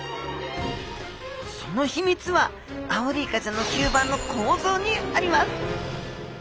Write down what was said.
その秘密はアオリイカちゃんの吸盤の構造にあります